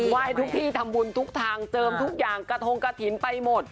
ไหว้ทุกที่ทำบุญทุกทางเจิมทุกอย่างกระทงกระถิ่นไปหมด